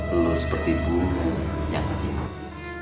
lo seperti bunga yang indah